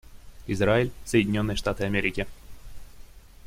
Израиль, Соединенные Штаты Америки.